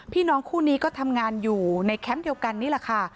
พี่น้องคู่นี้ก็ทำงานอยู่ในแคมป์เดียวกันนี่แหละค่ะ